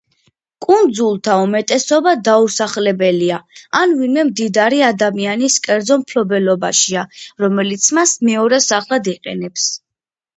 კუნძულთა უმეტესობა დაუსახლებელია ან ვინმე მდიდარი ადამიანის კერძო მფლობელობაშია, რომელიც მას მეორე სახლად იყენებს.